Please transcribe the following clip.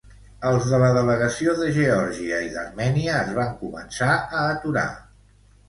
Els de la delegació de Geòrgia i d'Armènia es van començar a aturar.